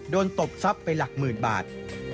ตบทรัพย์ไปหลักหมื่นบาท